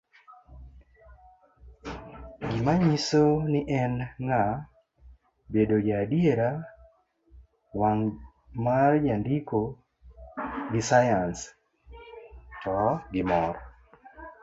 gi manyiso ni en ng'a, bedo jaadiera, wang' marjandiko gi sayans to gimor